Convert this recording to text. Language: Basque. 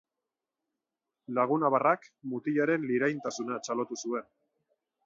Lagunabarrak mutilaren liraintasuna txalotu zuen